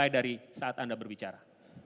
dari saat anda berbicara